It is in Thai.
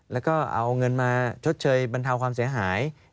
แล้วก็เอาเงินมาชดเชยบรรเทาความเสียหาย